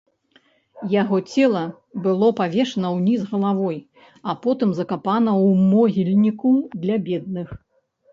Яго цела было павешана ўніз галавой, а потым закапана ў могільніку для бедных.